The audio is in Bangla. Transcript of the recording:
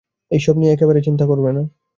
এইসব নিয়ে একেবারেই চিন্তা করবে না।